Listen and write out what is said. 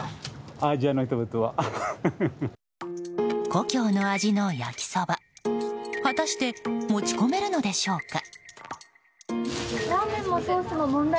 故郷の味の焼きそば果たして持ち込めるのでしょうか。